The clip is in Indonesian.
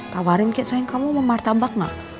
tawarin kaceng kamu sama martabak